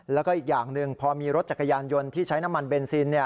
แล้วก็อีกอย่างหนึ่งพอมีรถจักรยานยนต์ที่ใช้น้ำมันเบนซิน